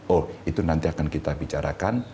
oh itu nanti akan kita bicarakan